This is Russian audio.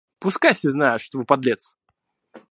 Пускай все знают, что вы подлец!